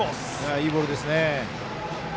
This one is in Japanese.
いいボールですね。